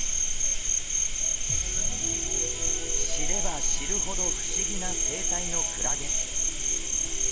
知れば知るほど不思議な生態のクラゲ。